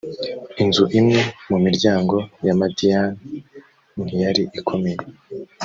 inzu imwe mu miryango ya madiyani ntiyari ikomeye